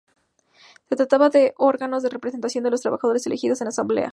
Se trataba de órganos de representación de los trabajadores elegidos en asamblea.